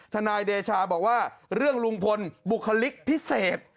นายเดชาบอกว่าเรื่องลุงพลบุคลิกพิเศษ